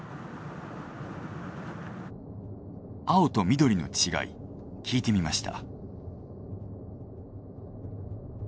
青と緑の違い聞いてみました。